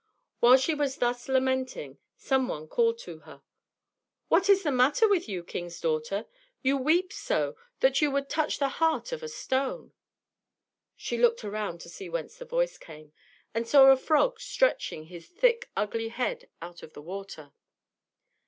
While she was thus lamenting some one called to her: "What is the matter with you, king's daughter? You weep so, that you would touch the heart of a stone." She looked around to see whence the voice came, and saw a frog stretching his thick ugly head out of the water.